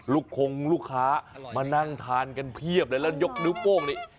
คงลูกค้ามานั่งทานกันเพียบเลยแล้วยกนิ้วโป้งนี่